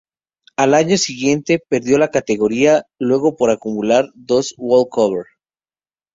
Al año siguiente perdió la categoría luego por acumular dos walkover.